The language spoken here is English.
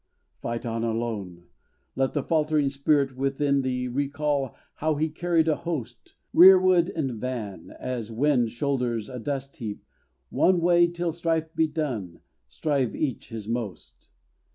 Fight on alone! Let the faltering spirit Within thee recall how he carried a host, Rearward and van, as Wind shoulders a dust heap; One Way till strife be done, strive each his most.